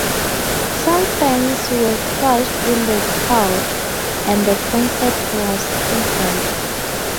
Some fans were crushed in the crowd and the concert was cancelled.